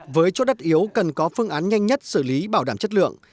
với chỗ đất yếu cần có phương án nhanh nhất xử lý bảo đảm chất lượng